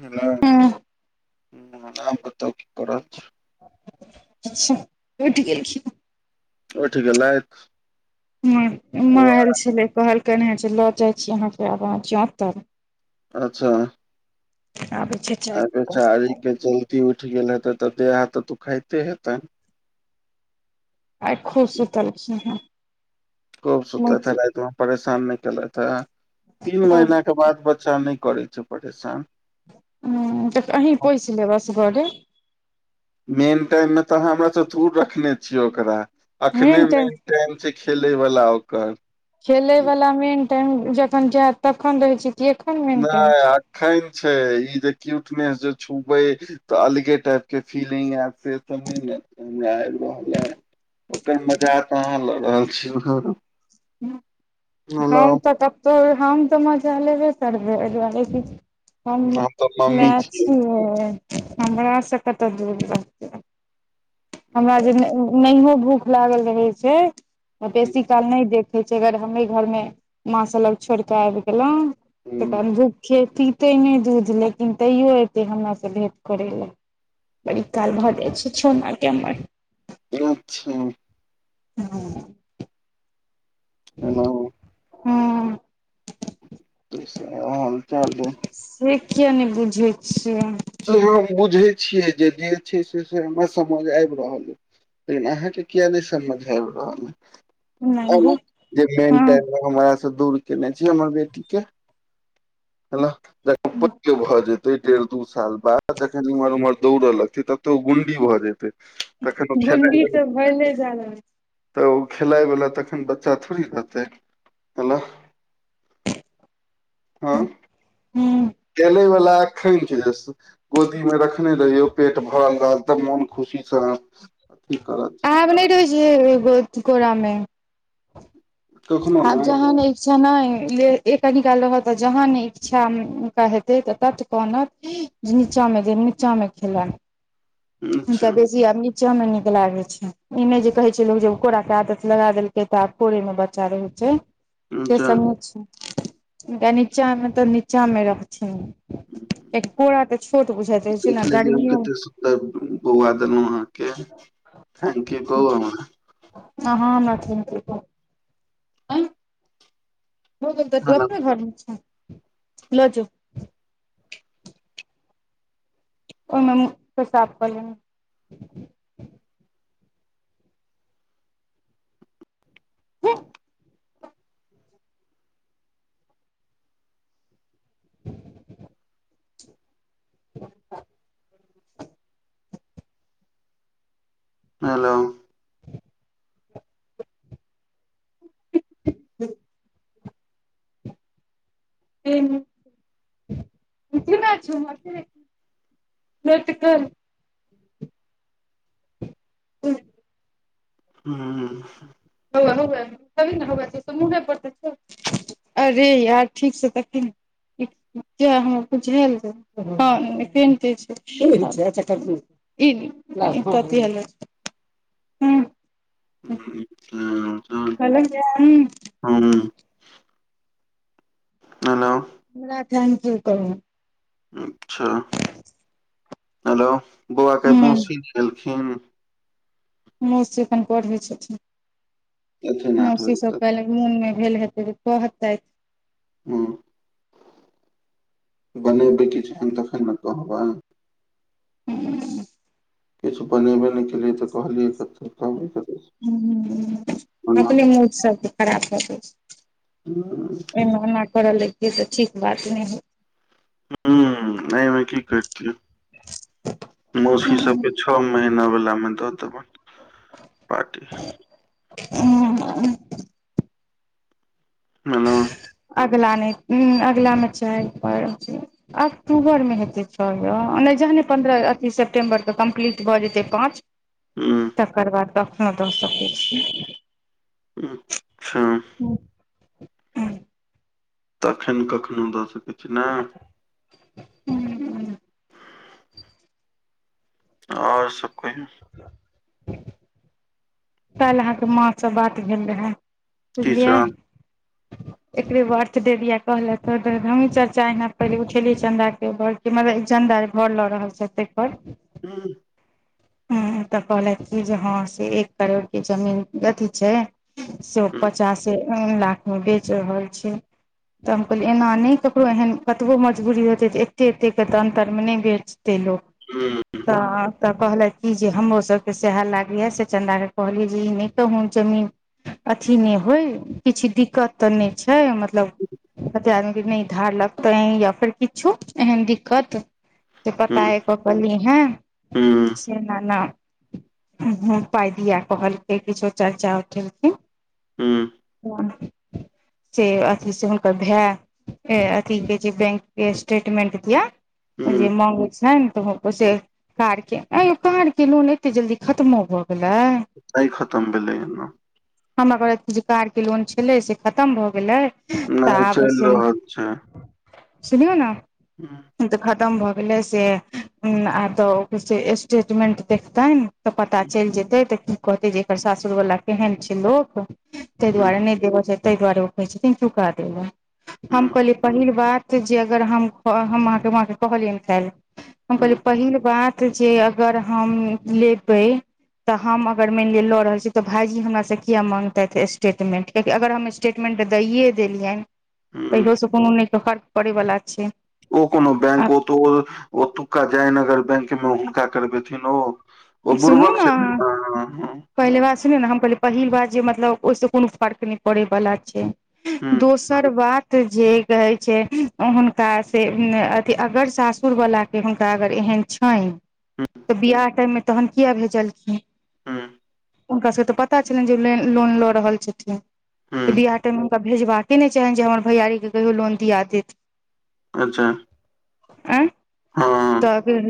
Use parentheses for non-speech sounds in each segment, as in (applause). ह हँ ह आ कता की कर उठि गेल छी। उएठ गेलौथ माँ आयल छलै कहलके जे लो जाय छी अहाँ (unintelligible) अच्छ (unintelligible) आ बेचारी क जल्दी उठि गेल हेतै, तऽ देह हाथ तऽ दुखाइत हेतै। आए खूब सुतल खी हा खुब सुतता रात मे परेशान न केलाइथ ह तीन महिना के बाद बच्चा नहि करै छै परेशान ह तऽ अही पोइस लेब असगरे मेन टाइम मे तऽ अहाँ हमरा तऽ दूर रखने छी, ओकरा एखने मे। टाइम छै खेलै वला ओकर खेले वला मेन टाइम जखन जैत तखन रहै छै (unintelligible) नाए छै एखन छै ई जे क्यूटनेस जे छुबै त अलगे टाइप के फीलिंग ऐत से सब ने (unintelligible) आबि रहल है ओते मजा तऽ अहाँ ल रहल छी (unintelligible) हम तऽ मजा लेबे करै आए दुआरे की हम तऽ (inaudible) मम्मी माँ छियै छी हमरा से कतह झूठ बाजते (inaudible) हमरा जे दिन नहियो भूख लागल रहे छै बेसी काल नहि देख कहै छै अगर हमरे घरमे माँ स लग छोड़िक आबि हुँ, गेलहुँ पतै नहि दूध लेकिन तैयो एतै हमरा स भेट करै लए बड़ी काल भऽ जाइ छै (unintelligible) (unintelligible) (unintelligible) (unintelligible) हँ (inaudible) (unintelligible) से किया नहि बुझै छियै तोइओ हम बुझैत छियै जे देल छै से से हमरा समझ आबि रहल अ लेकिन अहाँके किएक नहि समझमे आबि रह नहि हँ (unintelligible) हम से दूर केने छी हमर बेटी के (inaudible) (unintelligible) दू साल बाद जखन इन्हर उम्हरौड़ दौड़ तब ते ओ गुंडी भऽ जेते तखन त गुंडी खेनाइ तऽ (inaudible) भेले जा रहल छै तऽ ओ खेलाय वला तखन बच्चा थोड़े रहतै। (unintelligible) हँ (unintelligible) (unintelligible) खेले वला आखन छै। गोदी मे रखने रहियौ पेट भरल रहल तऽ मोन खुशी से अथी करत आब नहि रहैत छै, एगो अथी कोरा मे कखनो आब ने जहाँ नहि कनिकाल रहत तऽ जहाँ ने इच्छा उनका हेतै तत कानत नीचा मे दे नीचामे खेलनि (inaudible) हनक अच्छा बेसी आ नीचे मे नीक लागे छै ई नहि जे कहे छै लोग ज कोरा के आदत लगा देलकै तऽ आब कोरे मे बच्चा रहै छै से अच्छा सब नै छै नीचामे तऽ नीचामे रखथिन ए कोरा तऽ छोट बुझाइत रहै छै नऽ गर्मियो त बौआ देलहुँ अहाँके थेंक यू कहू आब हमरा हँ हँ मैथिली (unintelligible) आ भोजन तऽ हमरा ओकर घरमे छै, ल जो। (unintelligible) (inaudible) (inaudible) हेलो (inaudible) एमे (unintelligible) (inaudible) (inaudible) हूँ (unintelligible) मुहे पर तऽ छै अरे यार ठीकसँ लाकही न किएक हमर कुछ भेल (unintelligible) (unintelligible) (inaudible) हेलो हमरा थैन्क्यू कहूँ अच्छा हलो बौआ केँ मौसी भेलखिन मौसी अपन पढ़ै छथिन एथिन आठ मौसी बजे सब तक टाइलेन्ट मोन मे भेल हेतै जे कहतैथ हूँ (inaudible) बनेबै किछ एहेत तखैन न कहबै (inaudible) किछ बनेबे नय केलिय तऽ कहलियै कथि कहबै कथि हूँअपने मूड सभके खराब भऽ दै छै (inaudible) फेन ओना करऽ लैगतै तऽ ठीक बात नहि होइ हूँ एहिमे की करतियै मौसी सब केँ छ महीना वला मे दऽ देबैन पार्टी (inaudible) मना अगला नय अगिला मे चार पर छै अक्टूबरमे हेतै छ यो ओ नय जखने पन्द्रह अथी सेप्टेम्बर तऽ कम्प्लीट भऽ जेतै पाँच हुं हुं तकर बाद कखनो दऽ सकै छी हूँ अच्छा तखैन कखनो दऽ सकै छी नहि हूँ हूँ और सब मे काल्हि अहाँकेँ माँ सँ बात भेल रहै की बुझलियै सब एकरे बर्थडे दिया कहलथि त त हमही सब चर्चा एना पहिले उठेलियै चन्दा केँ बर के मतलब ई चंदा जे घर लऽ रहल छैथ तइ पर हूँ हँ तऽ कहने छलखिन कि जे हँ से एक करोड़ के जमीन अथी छै सो पचासे लाख मे बेच रहल छै तऽ हम कहलियै एना नय ककरो एहन कतबो मजबूरी हेते तऽ एते एते के तऽ अन्तर मे नय बेचे हुं (unintelligible) तऽ तऽ कहलथ ई जे हमरो सबके सएह लागैए से चन्दाके कहलियै जे ई नहि कहूँ जमीन अथी नहि होय किछु दिक्कत तऽ नहि छै मतलब मतलब कते आदमीे नहि धार लक तऽ या फेर किछो एहन दिक्कत से पताए क क लिहै (unintelligible) हूँ से ना ना उ पाय दिय कहलकै किछु चर्चा उठेलखिन हुं हँ से अथी से हुनकर भाय ए अथी के जे बैंक के स्टेटमेंट दियो हुं जे मंगो छै (unintelligible) ने तऽ से कार के आ यै कार के लोन एते जल्दी खत्मो भए गेलै आय खतम भेलै या हमर करै छि जे कार के लोन छलै से खतम भऽ गेलैय त नहि आब चलि से रहल सुनियौ ने हँ तऽ खतम भऽ गेलै से आब तऽ ओफिस से स्टेटमेंट देखतैन तऽ पता चेल जेतै तऽ की कहतै जे एकर सासुर वला केहन छै लोग ताहि हुं दुआरे नय देबऽ छै तऽ दुआरे ओ कहै छथिन चूका देब हम हम हुं हुं कहलिय पहिल बात जे अगर हम हम अहाँके व कहलियनि खयले हम कहलिय पहिल बात तऽ जे अगर हम लेबै तऽ हम अगर मैन लिअ लऽ रहल छी तऽ भाईजी हमरासे किया माँगतै स्टेटमेंट कियाकि अगर हम स्टेटमेन्ट दैए देलियनि हूँ तहियो से कोनो नय फर्क परै वला छै ओ कोनो आ बैंक ओ तऽ ओते ओतुका जयनगर बैंक मे हुनका करबेथिन ओ ओ सुनू बुर्बक ने अहाँ क्षेत्र (unintelligible) पहिले बात सुनियौ ने हम कहलियै पहिल बात जे मतलब ओहिसे कोनो फर्क नहि पड़य वाला छै हँ दोसर दोहर बात जे कहे छै हुनका से अथी अगर सासुर वाला से हुनका अगर एहन छैन तऽ बियाह टाइम मे तहन किया भेजलखिन हूँ हुनका सबके तऽ पता छलनि जे ले लोन लऽ रहल छथिन त हँ बियाह टाइम मे त भेजबाके नहि चाहनि जे हमर भैयारी के कहियौ लोन दिया देत अच्छा अ हँ तऽ अगर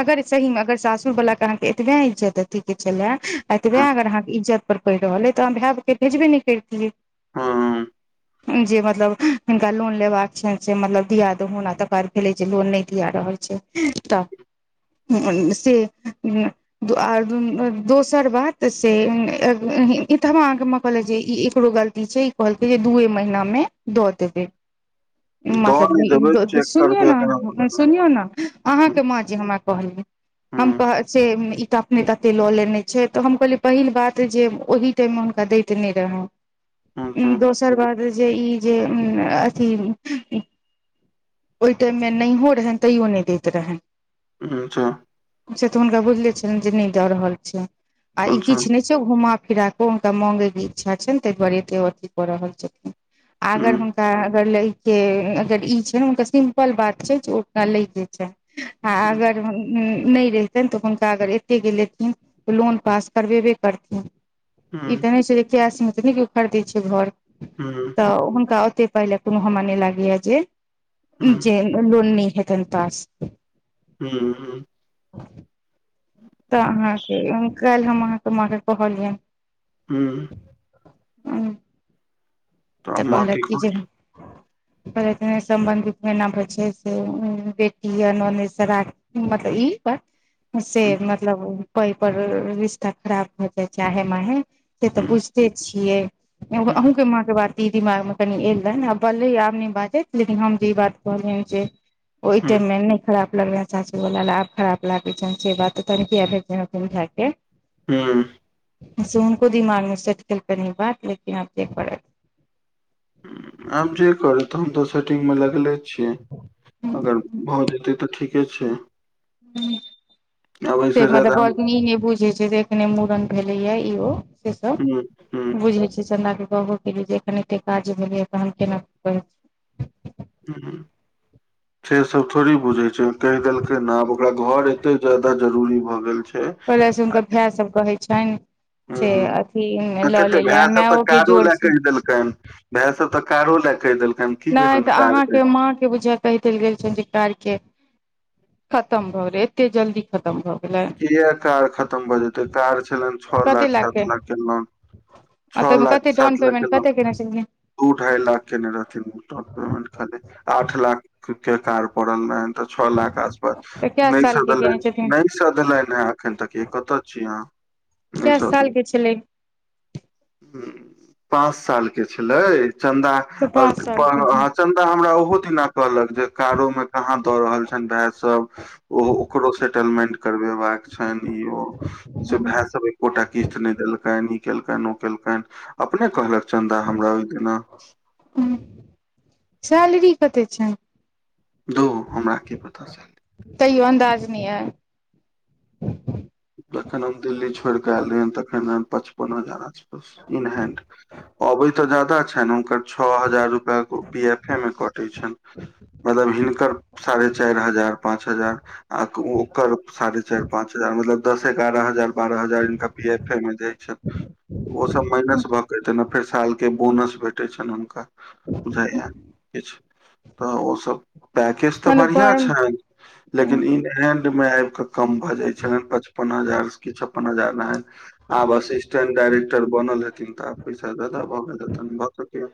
अगर सहीमे अगर सासु वलाके एतबे इज्जत अथि के छलै एतब हँ अगर अहाँके इज्जत पर पैड़ रहल अ तऽ हाँ भाइ के भेजबे नय करितियै हँ जे मतलब हिनका लोन लेबाक छनि से मतलब दिया दहन तकर बाद भेलै जे लोन नहि दिया रहल छै त उन से (inaudible) आर दोसर बात से ई तऽ हमरो अहाँके मां कहलैथ जे ई एकरो गलती दी छै ई कहलकै जे दूए महीना मे दऽ देबै दऽ मतलब नहि इ देबै द दे चेक सुनियौ करबै एकरा ने सुनियौ ने हँ अहाँके माँ जे हमरा कहलेन हम हँ कहे से ई तऽ अपने तते लऽ लेने छै तऽ हम कहलियै पहिल बात जे ओहि टाइम मे हुनका दै त नय रह अच्छा दोसर बाद जे ई जे अथि ते ओहि टाइम मे नहिहो रहनि तैयो नहि दैत रहनिय उ अच्छा से तऽ हुनका बुझले छलैन जे नय दऽ रहल छै आ ई अच्छा किछ नय सेओ घुमा फिरा कऽ हुनका माँगैके इच्छा छनि ताहि दुआरे एते अथी कऽ रहल छथिन अगर हँ हुनका अगर लय के अगर ई छै ने हुनका सिम्पल बात छै जे ओ लय के अच्छा हँ अगर हुनका नय रहतेन तऽ हुनका अगर एतेके एथिन तऽ लोन पास करबेबे करथिन ई हँ तऽ नहि छै जे कैश में तऽ नहि केओ खरीदै छै घर हू तऽ हुनका ओते पहिले कोनो हमरा नहि लागैया जे ई हँ जे लॉन नय हतय पास हूं हुं (inaudible) तऽ अहाँके काल्हि हम अहाँके माँ के कहलियनि हूँ अ (unintelligible) तऽ कहलक की जे सम्बन्धितना पर (inaudible) छै से बेटी य स मतलब ई पर से मतलब पै पर रिश्ता खराब भ जाइ छै आहे माहे से तऽ बुझ हँ छै छियै अहूँ हँ के माँ के बात दीदी दिमाग मे कनि एल रहै आ बललै आब नहि बाजत लेकिन हम जे ई बात कहलियनि जे ओहि टाइम हँ मे नहि खराब लगैया चाची वला आब खराब लागे छ तन भेय के हूँ से हुनको दिमागमे सेट केलकैन ई बात लेकिन अब जे करत आब जे करथुन दोसर तो सेटिंग में लगले छि करत अगर भऽ जेतै तऽ ठीके छै हू आब से एहिसँ मतलब जादा कहलखिन ई नहि बूझ जे छै एखने मूड़न भेले या इहो से सब हुं हुं बुझे छै चन्दा कऽ के जेखन एते काज भेलैया तहन केना (unintelligible) हू हू से सब थोड़ी बुझै छै ओ कहि देलकै ने आब ओकरा घर एते ज्यादा जरूरी भ गेल छै कले से हुनकर भाय सब कहै छनि हुं अथि लऽ लेलय मेयो कऽ जोर तेहन भाय सब तऽ कारो ले कहि देलक नहि तऽ अहाँके माँ के बुझ कहि देल गेल छनि जे कार्य के खतम भऽ गेलय एते जल्दी खतम भऽ गेलै किया कार खतम भऽ जेतै कार छलनि छओ कते लाख के छ लाख सात लाखके कते केने छलखिन दू ढ़ाई लाख केने रहथिन ओ डाउन पेमेंट खाली आठ लाख के कार्य पड़ल रहैन तऽ छओ लाख आसपास तऽ कए नहि सालके केने छथिन तऽ। सधलनि हैं अखन तक ये कतऽ छी अहाँ नहि कए साल सधलनि के छलैन पाँच साल के छलै चन्दा तऽ पाँच सालके चन्दा हमरा ओहो दिना कहलक जे कारो मे कहाँ दऽ रहल छनि भाय सब ओ ओकरो सेटलमेंट करबेबाक छनि ई ओ से भाय सब एकोटा किस्त नहि देलकनि केलकनि ओ केलकनि अपने कहलक चन्दा हमरा ओ दिना सैलरी कते छै। घू हमरा की पता तैयो अन्दाज नहि ऐ जखन हम दिल्ली छोड़ कऽ एले हन तखन पचपन हजार इनहेंड अबै तऽ ज्यादा छनि हुनकर छः हजार रुपया त ओ पी एफ एमे कटै छनिय मतलब हिनकर साढ़े चारि हजार पाँच हजार आ ओकर साढ़े चारि पाँच हजार मतलब दस एगारह हजार बारह हजारनका पी एफ ए मऽ जाय छनि ओ सब माइनस भऽ क फेर साल के बोनस भेटे छनि हुनका बुझैया किछ तऽ ओसभ पैकेज तऽ मने बढ़ियां फर्म छै लेकिन इन हैंड में आबि क कम भऽ जाय इ छलैन पच छप्पन हजार की छप्पन हजार रहै आब असिस्टेंट डायरेक्टर बनल हेथिन तऽ आब पैसा ज्यादा भऽ गेल हेतनि भऽ सकैया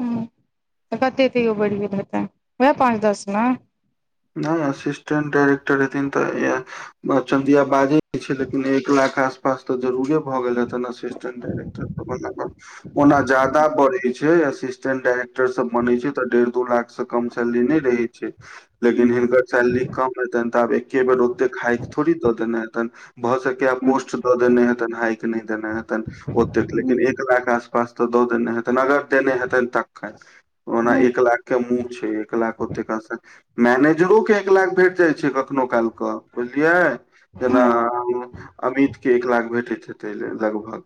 ह तऽ कते तैयो बढ़ि गेले हेतै वएह पाँच दस नऽ हँ असिस्टेंट डायइरेक्टर हेथिन तऽ एहनि चदिया बाजे छै लेकिन एक लाख आसपास तऽ जरूरे। भ गेल रहतैन असस्टेंट डरेक्टर ओना ज्यदा बढ़ि छियै असिस्टेंट डायरेक्टर सब बनै छै तऽ डेढ़ दू लाख से कम सैलरी नहि रहै छै लेकिन हिनकर सैलरी कम हेतनि तऽ आब एके बेर ओतेक हाइक थोड़ी दऽ देने हेतनि भऽ सकैया पोस्ट दऽ देने हेतनि हाइक नहि देने हेतनि ओतेक लेकिन एक लाख आस पाँच तऽ दो दिन नहि हेते अगर देने हेतनि तखन ओना एक लाख के मुँह छै एक लाख ओते कहां सऽ मैनेजरोे एक लाख भेट जाइत छै कखनो कालके बुझलियै जेना अमित के एक लाख भेटैत हेतै लगभग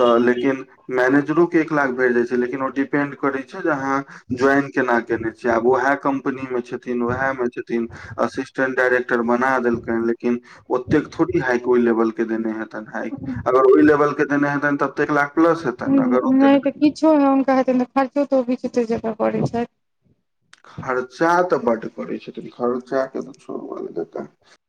तऽ लेकिन मैनेजरो के एक लाख भेट जाइ छै लेकिन ओ डिपेंड करैत छै जे अहाँ ज्वाइन केना केयने छियै आब उएह कम्पनी मे छै उएहमे छथिन असिस्टेंट डायरेक्टर बना देलकनि लेकिन ओतेक थोड़ी हाइक ओहि लेवल के देने हेतनि हाइक अगर ओहि लेवल के देने हेतनि तऽ एतेक लाख प्लस हेतेन अगर ओतेय नहि (unintelligible) खर्चा तऽ बड्ड करै छथिन खर्चा के तऽ छोरु अलगेटा